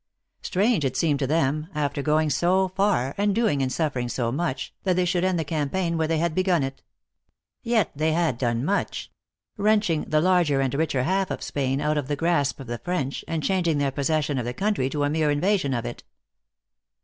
Strange it seemed to them, after go ing so far, and doing and suffering so much, that they should end the campaign where they had begun it. Yet they had done much : wrenching the larger and richer half of Spain out of the grasp of the French, and changing their possession of the country to a mere invasion of it.